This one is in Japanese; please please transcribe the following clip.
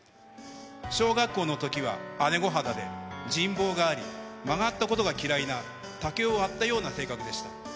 小学校のときは姉御肌で、人望があり、曲がったことが嫌いな竹を割ったような性格でした。